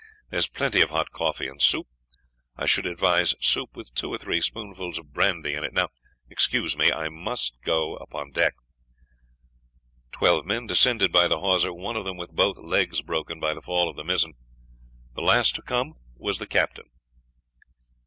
There's plenty of hot coffee and soup. I should advise soup with two or three spoonfuls of brandy in it. Now, excuse me; I must go upon deck." Twelve men descended by the hawser, one of them with both legs broken by the fall of the mizzen. The last to come was the captain.